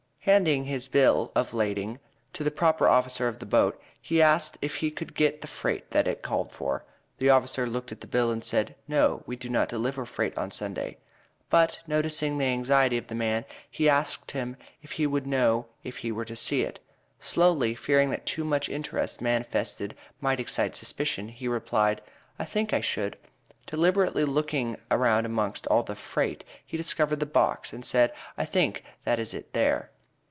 Handing his bill of lading to the proper officer of the boat, he asked if he could get the freight that it called for. The officer looked at the bill and said, "No, we do not deliver freight on Sunday;" but, noticing the anxiety of the man, he asked him if he would know it if he were to see it. Slowly fearing that too much interest manifested might excite suspicion he replied: "I think I should." Deliberately looking around amongst all the "freight," he discovered the box, and said, "I think that is it there."